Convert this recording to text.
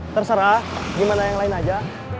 terserah gimana yang lain aja